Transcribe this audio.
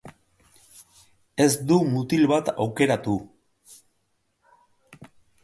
Ez du mutil bat aukeratu.